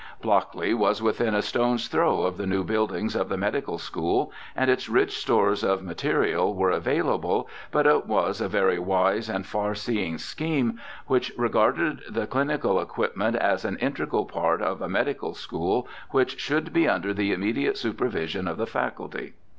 Blockley was within a stone's throw of the 2i8 BIOGRAPHICAL ESSAYS new buildings of the Medical School, and its rich stores of material were available, but it was a very wise and far seeing scheme which regarded the clinical equip ment as an integral part of a medical school which should be under the immediate supervision of the faculty.